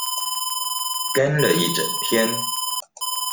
跟了一整天